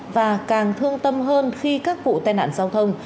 và càng thương tâm hơn khi các vụ tai nạn giao thông